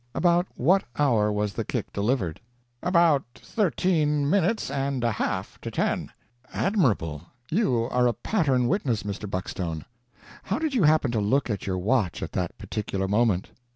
"About what hour was the kick delivered?" "About thirteen minutes and a half to ten." "Admirable! You are a pattern witness, Mr. Buckstone. How did you happen to look at your watch at that particular moment?"